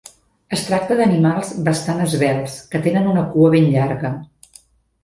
Es tracta d'animals bastant esvelts que tenen una cua ben llarga.